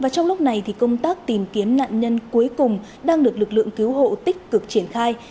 trong lúc này công tác tìm kiếm nạn nhân cuối cùng đang được lực lượng cứu hộ tích cực triển khai